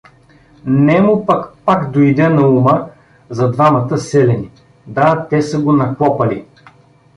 Нему му пак дойде на ума за двамата селяни; да, те са го наклопали!